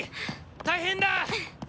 大変だ！